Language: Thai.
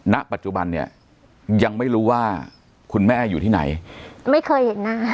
ณปัจจุบันเนี่ยยังไม่รู้ว่าคุณแม่อยู่ที่ไหนไม่เคยเห็นหน้า